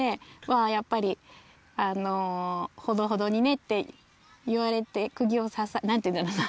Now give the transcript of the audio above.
やっぱり「ほどほどにね」って言われてくぎを刺さなんていうんだろうな。